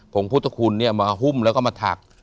งพุทธคุณเนี่ยมาหุ้มแล้วก็มาถัก